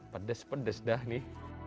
pedes pedes dah nih